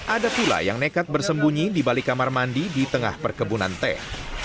ada pula yang nekat bersembunyi di balik kamar mandi di tengah perkebunan teh